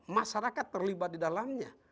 masyarakat terlibat di dalamnya